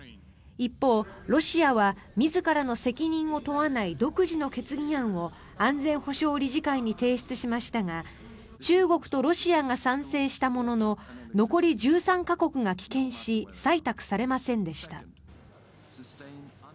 一方、ロシアは自らの責任を問わない独自の決議案を安全保障理事会に提出しましたが中国とロシアが賛成したものの残り１３か国が棄権し採択されませんでした。